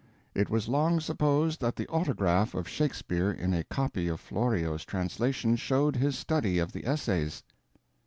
It was long supposed that the autograph of Shakespeare in a copy of Florio's translation showed his study of the Essays.